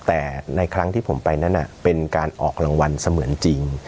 แต่ในครั้งที่ผมไปนั้นเป็นการออกรางวัลเสมือนจริง